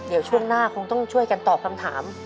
เดี๋ยวช่วงหน้าคงต้องช่วยกันตอบคำถาม